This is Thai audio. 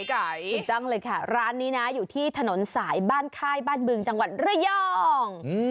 ถูกต้องเลยค่ะร้านนี้นะอยู่ที่ถนนสายบ้านค่ายบ้านบึงจังหวัดระยอง